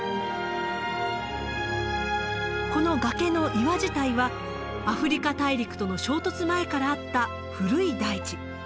この崖の岩自体はアフリカ大陸との衝突前からあった古い大地。